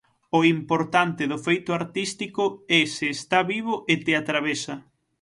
O importante do feito artístico é se está vivo e te atravesa.